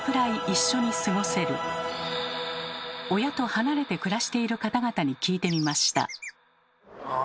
親と離れて暮らしている方々に聞いてみました。